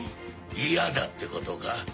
イヤだってことか？